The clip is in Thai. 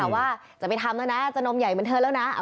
ว่าจะไปทำแล้วนะจะนมใหญ่เหมือนเธอแล้วนะ